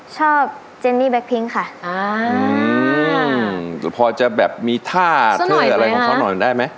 เจนนี่แก๊พิ้งค่ะอ่าพอจะแบบมีท่าเท่อะไรของเขาหน่อยได้ไหม